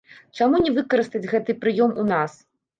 Чаму не выкарыстаць гэты прыём у нас?